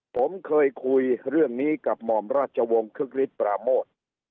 ผมเคยคุยเรื่องนี้กับหม่อมราชวงศ์คึกฤทธิปราโมท